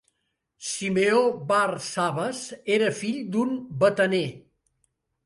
Simeó bar Sabas era fill d'un bataner.